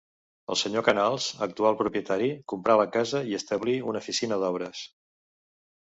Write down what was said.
El senyor Canals, actual propietari, comprà la casa i establí una oficina d'obres.